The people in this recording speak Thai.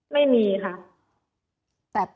ไม่มีค่ะ